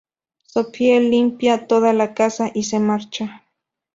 Sophie limpia toda la casa y se marcha.